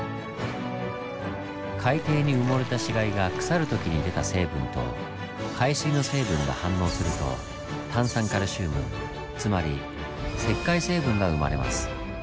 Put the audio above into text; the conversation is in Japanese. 海底に埋もれた死骸が腐る時に出た成分と海水の成分が反応すると炭酸カルシウムつまり石灰成分が生まれます。